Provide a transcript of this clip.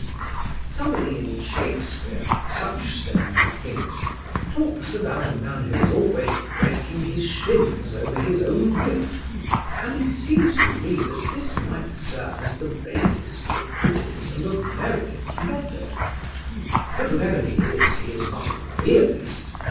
Somebody in Shakespeare—Touchstone, I think—talks about a man who is always breaking his shins over his own wit, and it seems to me that this might serve as the basis for a criticism of Meredith's method. But whatever he is, he is not a realist.